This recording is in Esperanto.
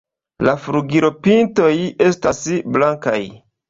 La flugilpintoj estas blankaj.